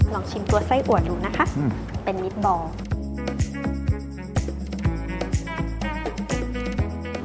ลองชิมตัวไส้อัวดูนะคะเป็นมิตรบอล